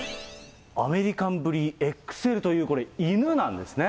アメリカンブリーＸＬという、犬なんですね。